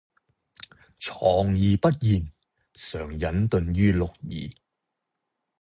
藏而不現，常隱遁於六儀